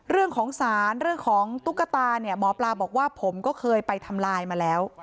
เรื่องของสารเรื่องของตุ๊กตาเนี่ยหมอปลาบอกว่าผมก็เคยไปทำลายมาแล้ว